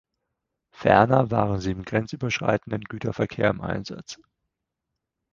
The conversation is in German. Ferner waren sie im grenzüberschreitenden Güterverkehr im Einsatz.